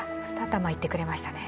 ２玉いってくれましたね